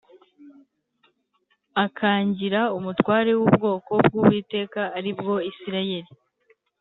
akangira umutware w’ubwoko bw’Uwiteka ari bwo Isirayeli.